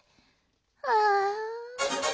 ああ。